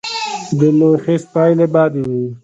د لوی خیز پایلې بدې وې.